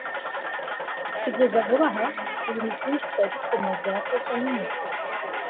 kugeza vuba aha, ibintu byinshi twari dukeneye byakozwe n'intoki. (eldad